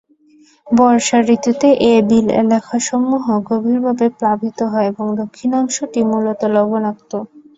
বর্ষা ঋতুতে এ বিল এলাকাসমূহ গভীরভাবে প্লাবিত হয় এবং দক্ষিণাংশটি মূলত লবণাক্ত।